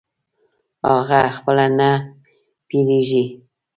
اغه خپله نه پییږي